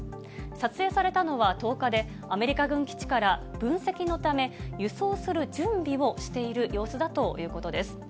撮影されたのは１０日で、アメリカ軍基地から分析のため、輸送する準備をしている様子だということです。